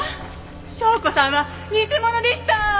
紹子さんは偽者でした！